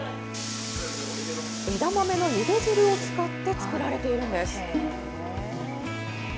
枝豆のゆで汁を使って造られているんです。